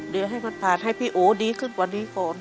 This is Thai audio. เดี๋ยวให้ประกาศให้พี่โอดีขึ้นกว่านี้ก่อน